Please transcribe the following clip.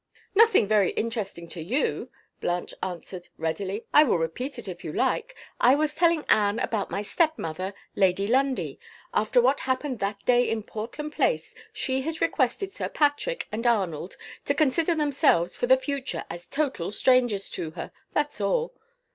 "Nothing very interesting to you," Blanche answered, readily. "I will repeat it if you like. I was telling Anne about my step mother, Lady Lundie. After what happened that day in Portland Place, she has requested Sir Patrick and Arnold to consider themselves, for the future, as total strangers to her. That's all."